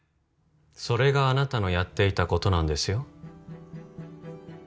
それがあなたのやっていたことなんですよ